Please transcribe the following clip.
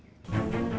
bisa gak bisa berhenti